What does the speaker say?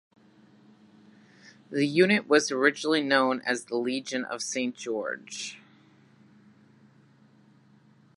The unit was originally known as the Legion of Saint George.